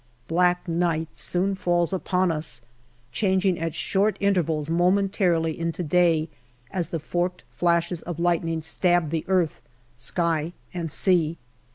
Black night soon falls upon us, changing at short intervals momentarily into day as the forked flashes of lightning stab the earth, sky, and sea.